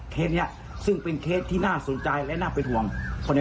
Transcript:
นี้ซึ่งเป็นเคสที่น่าสนใจและน่าเป็นห่วงคนใน